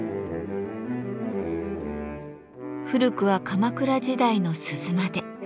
古くは鎌倉時代の鈴まで。